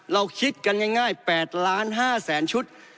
เราคิดกันง่าย๘๕ล้านชุด